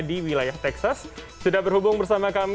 sekarang masuk spring atau musim semi